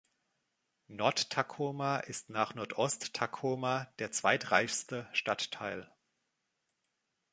Nord-Takoma ist nach Nordost-Takoma der zweitreichste Stadtteil.